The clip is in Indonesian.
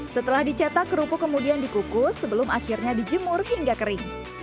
setelah dicetak kerupuk kemudian dikukus sebelum akhirnya dijemur hingga kering